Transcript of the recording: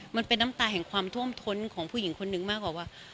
มันเป็นน้ำตาแห่งความท่วมท้นของผู้หญิงคนนึงมากกว่าว่า